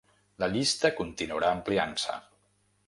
La llista continuarà ampliant-se.